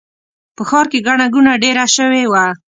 په ښار کې ګڼه ګوڼه ډېره شوې وه.